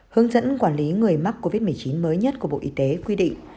hướng dẫn quản lý người mắc covid một mươi chín mới nhất của bộ y tế quy định